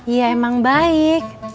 iya emang baik